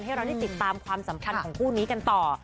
ให้เราได้ติดตามความสัมพันธ์ของคู่นี้กันต่อ